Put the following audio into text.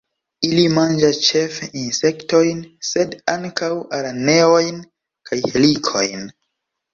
Ili manĝas ĉefe insektojn, sed ankaŭ araneojn kaj helikojn.